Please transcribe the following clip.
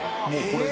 これ。